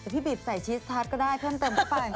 พี่บีบใส่ชีสทัสก็ได้เพื่อนเติมก็เปิด